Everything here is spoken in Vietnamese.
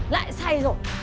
lại say rồi